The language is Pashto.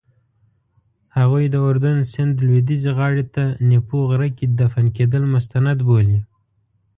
هغوی د اردن سیند لویدیځې غاړې ته نیپو غره کې دفن کېدل مستند بولي.